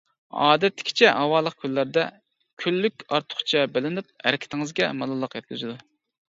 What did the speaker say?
ئادەتتىكىچە ھاۋالىق كۈنلەردە، كۈنلۈك ئارتۇقچە بىلىنىپ ھەرىكىتىڭىزگە مالاللىق يەتكۈزىدۇ.